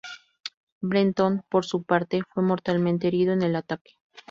Brenton, por su parte, fue mortalmente herido en el ataque.